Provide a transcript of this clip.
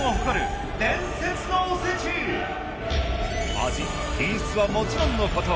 味品質はもちろんのこと